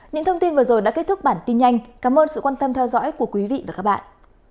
những thông tin vừa rồi đã kết thúc bản tin nhanh cảm ơn sự quan tâm theo dõi của quý vị và các bạn